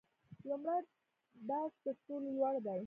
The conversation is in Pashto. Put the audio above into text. لومړی بست تر ټولو لوړ دی